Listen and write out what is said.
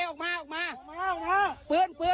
จริงผมไม่รู้จริงพี่